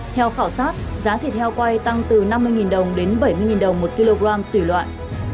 theo khảo sát giá thịt heo quay tăng từ năm mươi đồng đến bảy mươi đồng một kg tùy loại